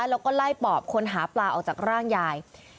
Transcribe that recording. แล้วก็ไล่ปอบคนหาปลาออกจากร่างยาย